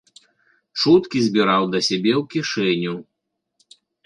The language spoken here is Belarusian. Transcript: Чуткі збіраў да сябе ў кішэню.